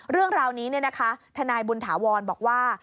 เรื่องราวนี้ทนายบุญถาวรบอกว่า